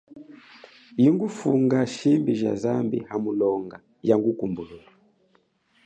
Ingufunga shimbi ja zambi, hamulonga, yangupulula.